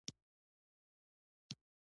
سبا به خپل دوست په بازار کی وګورم